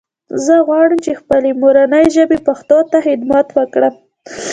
زه غواړم چې خپلې مورنۍ ژبې پښتو ته خدمت وکړم